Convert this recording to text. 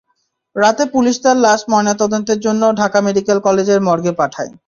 রাতে পুলিশ তাঁর লাশ ময়নাতদন্তের জন্য ঢাকা মেডিকেল কলেজের মর্গে পাঠায়।